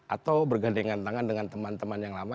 atau bergandengan tangan dengan teman teman yang lama